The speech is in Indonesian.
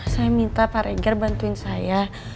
saya minta pak reger bantuin saya